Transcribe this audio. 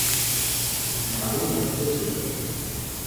বাড়ি বন্ধ ছিল।